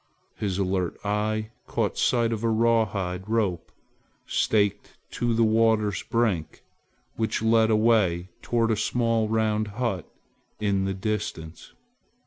His alert eye caught sight of a rawhide rope staked to the water's brink, which led away toward a small round hut in the distance.